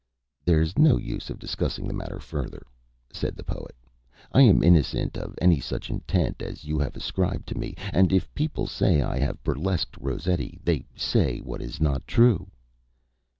"There is no use of discussing the matter further," said the Poet. "I am innocent of any such intent as you have ascribed to me, and if people say I have burlesqued Rossetti they say what is not true."